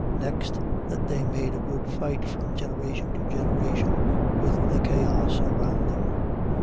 Next, that they made a good fight from generation to generation with the chaos around them.